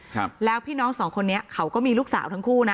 ครับแล้วพี่น้องสองคนนี้เขาก็มีลูกสาวทั้งคู่นะ